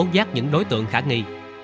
để tốt giác những đối tượng khả nghi